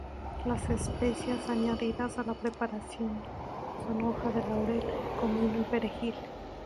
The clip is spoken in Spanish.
Las especias añadidas a la preparación son hoja de laurel, comino y perejil.